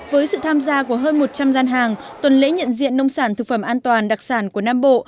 với sự tham gia của hơn một trăm linh gian hàng tuần lễ nhận diện nông sản thực phẩm an toàn đặc sản của nam bộ